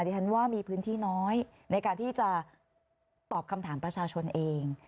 ดิฉันว่ามีพื้นที่น้อยในการที่จะตอบคำถามประชาชนเอง